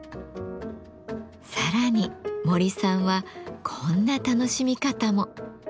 さらに森さんはこんな楽しみ方も。